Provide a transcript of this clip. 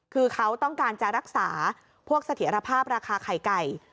คือเขาต้องการจะรักษาพวกเสถียรภาพราคาไข่ไก่